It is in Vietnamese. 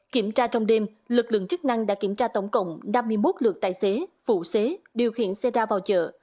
kiểm tra trong đêm lực lượng chức năng đã kiểm tra tổng cộng năm mươi một lượt tài xế phụ xế điều khiển xe ra vào chợ